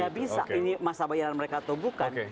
ya bisa ini masa bayaran mereka atau bukan